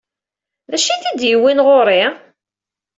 D acu ay t-id-yewwin ɣer-i?